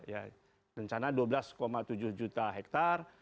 ya rencana dua belas tujuh juta hektare